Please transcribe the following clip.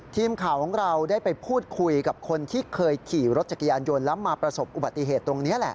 ทีมข่าวของเราได้ไปพูดคุยกับคนที่เคยขี่รถจักรยานยนต์แล้วมาประสบอุบัติเหตุตรงนี้แหละ